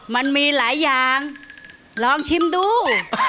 มันมีหลายอย่างลองชิมดู